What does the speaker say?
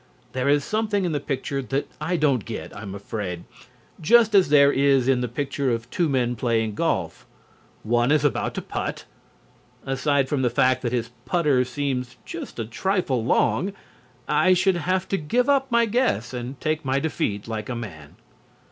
There is something in the picture that I don't get, I am afraid, just as there is in the picture of two men playing golf. One is about to putt. Aside from the fact that his putter seems just a trifle long, I should have to give up my guess and take my defeat like a man.